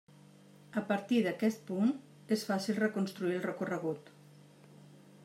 A partir d'aquest punt és fàcil reconstruir el recorregut.